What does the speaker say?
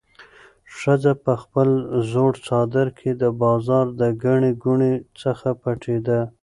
ښځه په خپل زوړ څادر کې د بازار د ګڼې ګوڼې څخه پټېده.